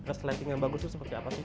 resleting yang bagus itu seperti apa sih